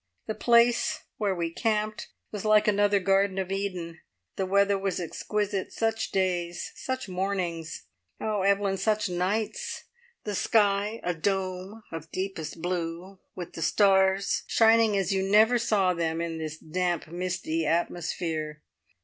The place where we camped was like another Garden of Eden; the weather was exquisite, such days, such mornings! Oh, Evelyn, such nights! The sky a dome of deepest blue, with the stars shining as you never saw them in this damp, misty atmosphere.